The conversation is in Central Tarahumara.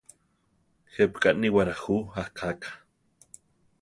¿Jepíka níwara jú akáka?